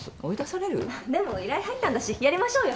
でも依頼入ったんだしやりましょうよ。